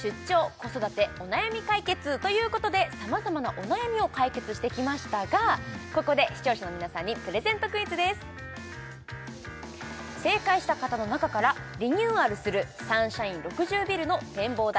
子育てお悩み解決！ということでさまざまなお悩みを解決してきましたがここで視聴者の皆さんにプレゼントクイズです正解した方の中からリニューアルするサンシャイン６０ビルの展望台